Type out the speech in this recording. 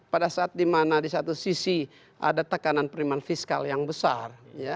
pada saat di mana di satu sisi ada tekanan periman fiskal yang besar